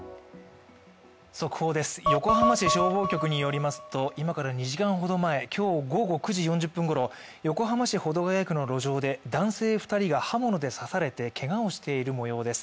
速報です、横浜市消防局によりますと今から２時間ほど前今日午後９時４０分ごろ、横浜市保土ケ谷区の路上で男性２人が刃物で刺されてけがをしているもようです。